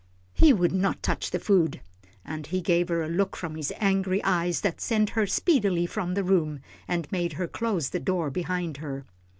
He would not touch the food, and he gave her a look from his angry eyes that sent her speedily from the room, and made her close the door behind her.